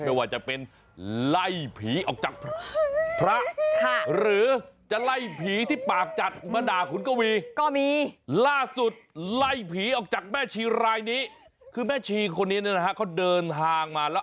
ขอบคุณนะจ๊ะนี่หายแล้วนี่หายของจริงแล้ว